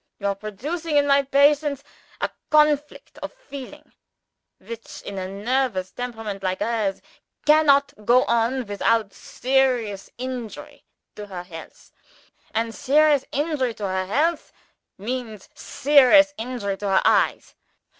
You are producing in my patient a conflict of feeling, which in a nervous temperament like hers cannot go on without serious injury to her health. And serious injury to her health means serious injury to her eyes.